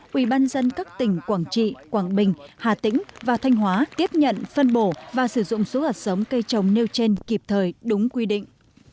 quỹ ban dân các tỉnh quảng trị quảng bình hà tĩnh và thanh hóa tiếp nhận phân bổ và sử dụng số hạt sống cây trồng nêu trên kịp thời đúng quy định